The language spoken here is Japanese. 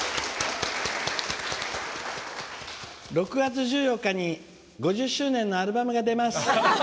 ６月１４日に５０周年のアルバムが出ます！